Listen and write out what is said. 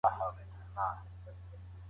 زه نه غواړم چې پیغامونه له منځه لاړ شي.